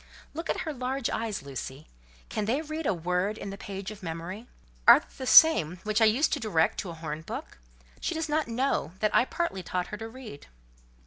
Look at her large eyes, Lucy; can they read a word in the page of memory? Are they the same which I used to direct to a horn book? She does not know that I partly taught her to read."